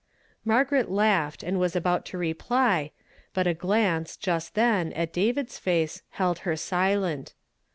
Margaret laughed, and was ahout to reply, but a glance, just then, at David's face, held her silent.